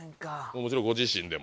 もちろんご自身でも。